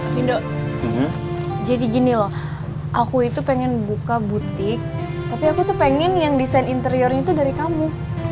sindo jadi gini loh aku itu pengen buka butik tapi aku tuh pengen yang desain interiornya itu dari kamu